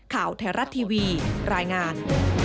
ข่าวไทยรัฐทีวีรายงาน